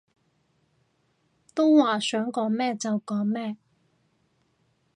都話想講咩就講咩